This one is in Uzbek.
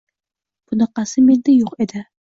Bunaqasi menda yo`q edi